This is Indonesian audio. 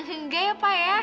enggak ya pak ya